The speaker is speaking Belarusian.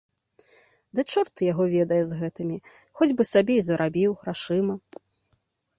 Ды чорт яго ведае з гэтымі, хоць бы сабе і зарабіў, грашыма?